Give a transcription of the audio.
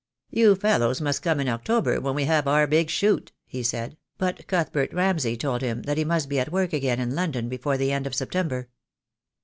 "You fellows must come in October, when we have our big shoot," he said, but Cuthbert Ramsay told him that he must be at work again in London before the end of September.